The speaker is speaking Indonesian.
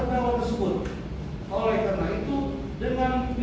kepada kendaraan tersebut